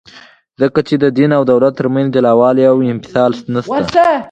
ځکه چي د دین او دولت ترمنځ جلاوالي او انفصال نسته.